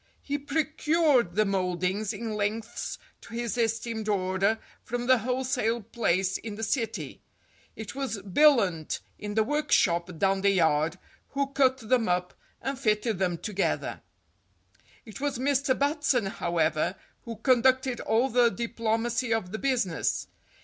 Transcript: He procured the mouldings in lengths to his esteemed order from the wholesale place in the City; it was Billunt in the workshop down the yard who cut them up and fitted them together. It was Mr. Batson, however, who conducted all the diplomacy of the business.